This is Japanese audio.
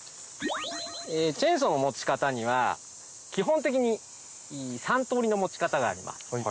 チェーンソーの持ち方には基本的に３通りの持ち方があります。